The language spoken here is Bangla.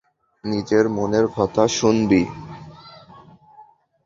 নিজের মনের কথা শুনবি।